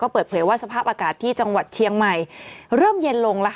เปิดเผยว่าสภาพอากาศที่จังหวัดเชียงใหม่เริ่มเย็นลง